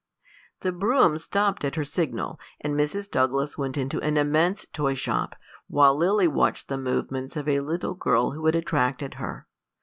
The brougham stopped at her signal, and Mrs. Douglas went into an immense toy shop, while Lily watched the movements of a little girl who had attracted her.